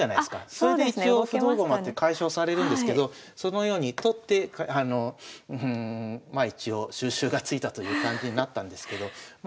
それで一応不動駒って解消されるんですけどそのように取ってまあ一応収拾がついたという感じになったんですけどま